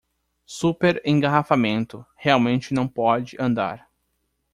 Super engarrafamento, realmente não pode andar